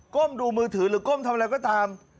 ้มดูมือถือหรือก้มทำอะไรก็ตาม